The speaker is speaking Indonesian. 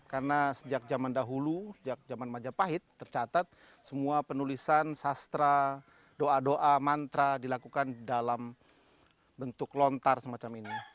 karena sejak zaman dahulu sejak zaman majapahit tercatat semua penulisan sastra doa doa mantra dilakukan dalam bentuk lontar semacam ini